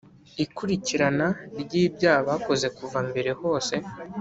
Ikurikirana ry ibyaha bakoze kuva mbere hose